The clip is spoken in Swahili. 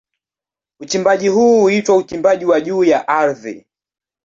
Uchimbaji huu huitwa uchimbaji wa juu ya ardhi.